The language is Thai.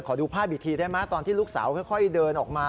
ดูภาพอีกทีได้ไหมตอนที่ลูกสาวค่อยเดินออกมา